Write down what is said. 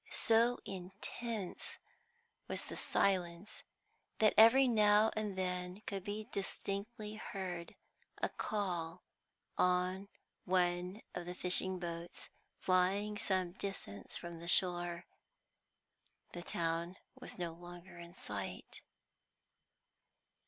So intense was the silence that every now and then could be distinctly heard a call on one of the fishing boats lying some distance from shore. The town was no longer in sight.